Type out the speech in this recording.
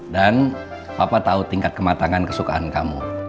dan papa tau tingkat kematangan kesukaan kamu